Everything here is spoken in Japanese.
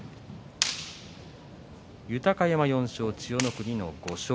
豊山４勝、千代の国の５勝。